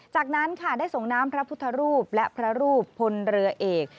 จากนั้นค่ะได้ส่งน้ำพระพุทธรูปและพระรูปพลเรือเอก